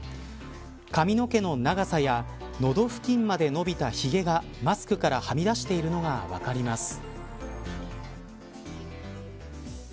髪の毛の長さや喉付近まで伸びたひげがマスクからはみ出しているのが分かります。